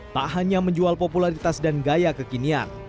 tak hanya menjual popularitas dan gaya kekinian